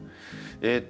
えっと